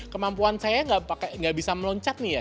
kemampuan saya enggak pakai enggak bisa meloncat nih ya